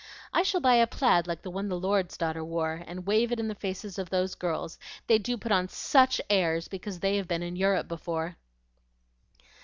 I shall buy a plaid like the one the lord's daughter wore, and wave it in the faces of those girls; they do put on SUCH airs because they have been in Europe before."